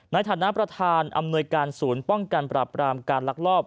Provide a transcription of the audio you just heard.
ในฐานะประธานอำนวยการศูนย์ป้องกันปรับรามการลักลอบ